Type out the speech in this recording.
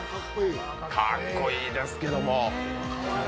かっこいいですけれど。